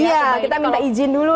iya kita minta izin dulu